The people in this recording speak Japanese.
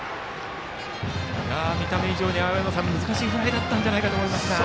見た目以上に難しいフライだったんじゃないかと思いますが。